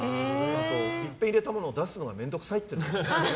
いっぺん入れたものを出すのが面倒くさいっていうのも。